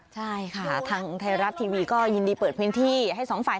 ใช่ค่ะทางไทยรัฐทีวีก็ยินดีเปิดพื้นที่ให้สองฝ่าย